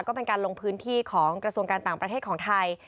ก็เป็นการลงพื้นที่ของกระทรวงการต่างประเทศของไทย